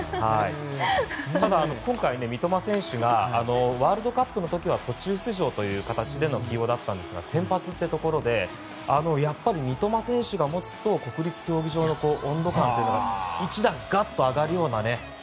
ただ、今回三笘選手がワールドカップの時は途中出場での起用でしたが起用だったんですが先発というところでやっぱり三笘選手が持つと国立競技場の温度感が一段上がるようなね。